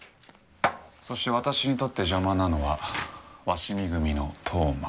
そして私にとって邪魔なのは鷲見組の当麻。